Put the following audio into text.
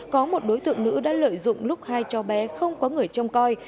có một đối tượng nữ đã lợi dụng lúc hai trò bé không có người trông coi